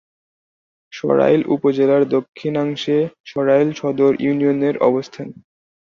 সরাইল উপজেলার দক্ষিণাংশে সরাইল সদর ইউনিয়নের অবস্থান।